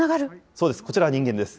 そうです、こちら人間です。